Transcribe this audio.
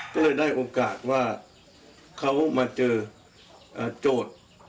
ก็เลยได้โอกาสว่าเขามาเจอโจทย์